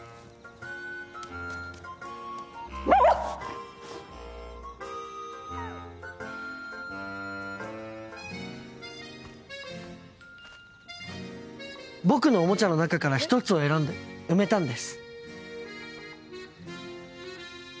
ほえ声僕のおもちゃの中から１つを選んで埋めたんです。